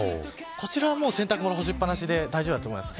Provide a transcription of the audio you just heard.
こちらは洗濯物干しっぱなしで大丈夫だと思います。